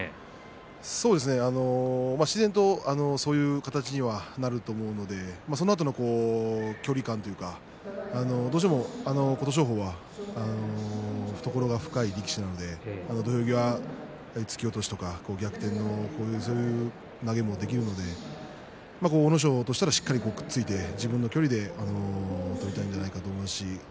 自然とそういう形にはなると思うのでそのあとの距離感というかどうしても琴勝峰は懐が深い力士なので、土俵際突き落としとかで逆転の投げもすることができるので阿武咲としてはしっかりついて自分の距離で取りたいんではないかと思います。